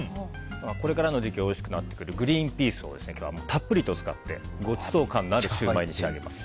これからの時期おいしくなってくるグリーンピースを今日はたっぷりと使ってごちそう感のあるシューマイに仕上げます。